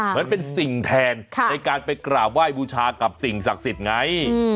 เหมือนเป็นสิ่งแทนในการไปกราบไหว้บูชากับสิ่งศักดิ์สิทธิ์ไง